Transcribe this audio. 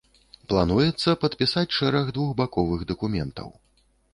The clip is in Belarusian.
Плануецца падпісаць шэраг двухбаковых дакументаў.